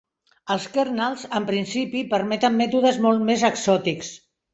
Els kernels, en principi, permeten mètodes molt més exòtics.